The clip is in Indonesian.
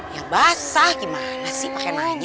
ya basah gimana sih pakai nanya